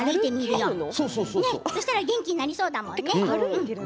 よそしたら元気になりそうだもんね。